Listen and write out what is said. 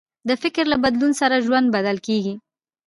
د فکر له بدلون سره ژوند بدل کېږي.